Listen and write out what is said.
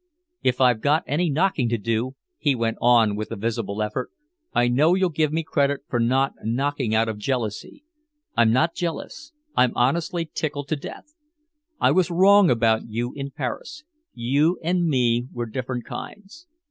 "If I've got any knocking to do," he went on with a visible effort, "I know you'll give me credit for not knocking out of jealousy. I'm not jealous, I'm honestly tickled to death. I was wrong about you in Paris. You and me were different kinds.